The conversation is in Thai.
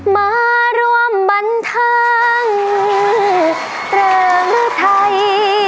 มาร่วมบรรทางเรื่องไทย